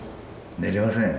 寝られませんよ。